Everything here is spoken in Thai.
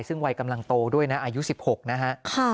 ซึ่งวัยกำลังโตด้วยนะอายุ๑๖นะฮะ